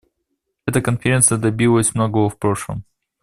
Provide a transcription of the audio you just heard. Эта Конференция добилась многого в прошлом.